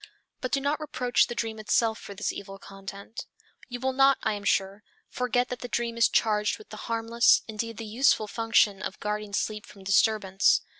But do not reproach the dream itself for this evil content. You will not, I am sure, forget that the dream is charged with the harmless, indeed the useful function of guarding sleep from disturbance.